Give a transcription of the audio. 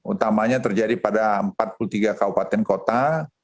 utamanya terjadi pada empat puluh tiga kabupaten kota